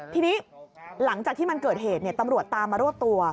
ทีนี้หลังจากที่มันเกิดเหตุตำรวจตามมารวบตัว